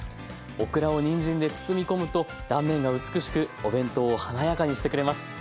オクラをにんじんで包み込むと断面が美しくお弁当を華やかにしてくれます。